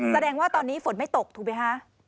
แสดงว่าตอนนี้ฝนไม่ตกถูกไหมคะ